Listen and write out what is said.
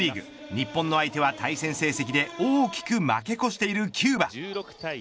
日本の相手は、対戦成績で大きく負け越しているキューバ。